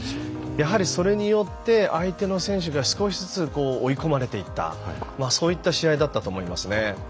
それによって相手の選手が少しずつ追い込まれていったそうした試合だったと思いますね。